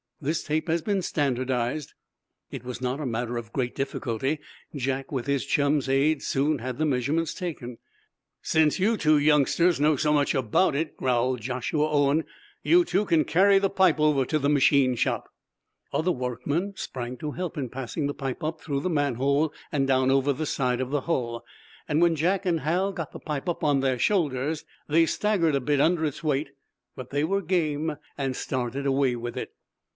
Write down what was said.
This tape has been standardized." It was not a matter of great difficulty. Jack, with his chum's aid, soon had the measurements taken. "Since you youngsters know so much about it," growled Joshua Owen, "you two can carry the pipe over to the machine shop." Other workmen sprang to help in passing the pipe up through the manhole and down over the side of the hull. When Jack and Hal got the pipe up on their shoulders they staggered a bit under its weight. But they were game, and started away with it.